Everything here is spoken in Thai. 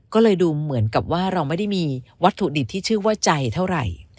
ก็เลยดูเหมือนกับว่าเราไม่ได้มีวัตถุดิบที่ชื่อว่าใจเท่าไหร่